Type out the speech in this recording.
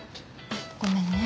ごめんね。